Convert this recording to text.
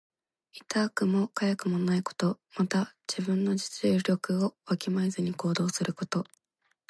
痛くもかゆくもないこと。また、自分の実力をわきまえずに行動すること。